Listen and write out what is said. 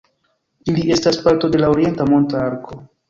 Ili estas parto de la Orienta Monta Arko.